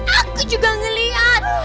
aku juga ngeliat